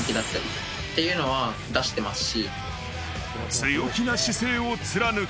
強気な姿勢を貫く。